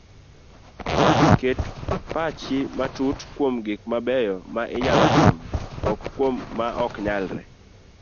Ket pach matut kuom gik mabeyo ma inyalo timo to ok kuom ma oknyalre